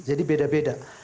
jadi beda beda